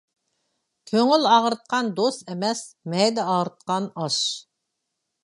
كۆڭۈل ئاغرىتقان دوست ئەمەس، مەيدە ئاغرىتقان ئاش.